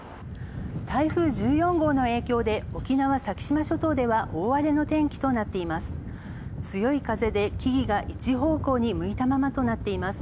台風１４号の影響で、沖縄、先島諸島では大荒れの天気となっています。